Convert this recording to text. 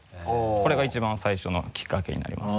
これが一番最初のきっかけになります。